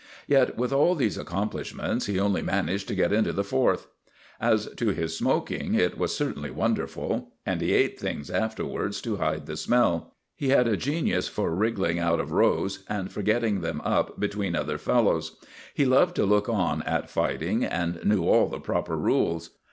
Yet, with all these accomplishments, he only managed to get into the Fourth. As to his smoking, it was certainly wonderful. And he ate things afterwards to hide the smell. He had a genius for wriggling out of rows and for getting them up between other fellows. He loved to look on at fighting and knew all the proper rules.